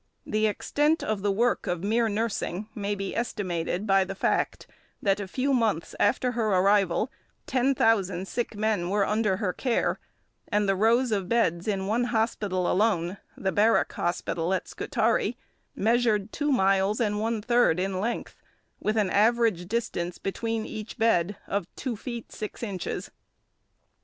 The extent of the work of mere nursing may be estimated by the fact that a few months after her arrival ten thousand sick men were under her care, and the rows of beds in one hospital alone, the Barrack Hospital at Scutari, measured two miles and one third in length, with an average distance between each bed of two feet six inches.